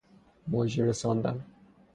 مژده رساندن